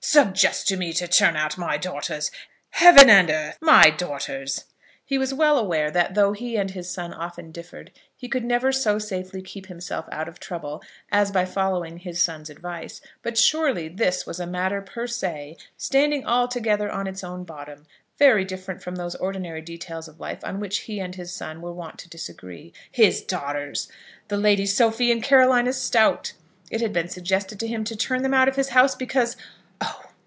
"Suggest to me to turn out my daughters! Heaven and earth! My daughters!" He was well aware that, though he and his son often differed, he could never so safely keep himself out of trouble as by following his son's advice. But surely this was a matter per se, standing altogether on its own bottom, very different from those ordinary details of life on which he and his son were wont to disagree. His daughters! The Ladies Sophie and Carolina Stowte! It had been suggested to him to turn them out of his house because Oh!